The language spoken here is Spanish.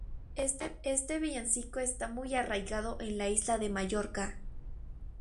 Este villancico está muy arraigado en la isla de Mallorca.